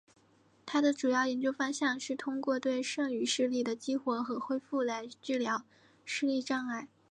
他的主要研究方向是通过对剩余视力的激活和恢复来治疗视力障碍。